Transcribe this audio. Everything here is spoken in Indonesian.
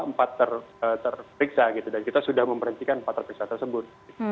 empat terperiksa gitu dan kita sudah memperhentikan empat terperiksa tersebut